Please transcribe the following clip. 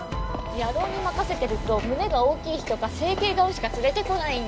野郎に任せてると胸が大きい人か整形顔しか連れて来ないんで。